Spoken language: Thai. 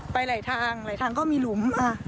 ไปไหล่ทางไหล่ทางก็มีหลุม